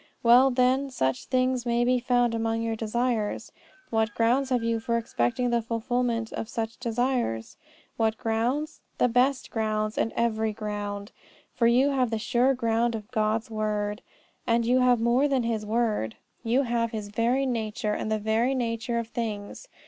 Well, then, such things being found among your desires, what grounds have you for expecting the fulfilment of such desires? What grounds? The best of grounds and every ground. For you have the sure ground of God's word. And you have more than His word: you have His very nature, and the very nature of things.